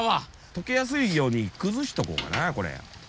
溶けやすいように崩しとこうかなこれ。